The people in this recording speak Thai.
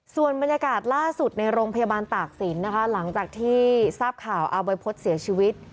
ส่วนบรรยากาศล่าสุดในโรงพยาบาลตากศิลป์นะคะหลังจากที่ทราบข่าวอาวัยพฤษเสียชีวิต